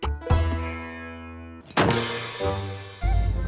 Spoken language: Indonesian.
hilang di laut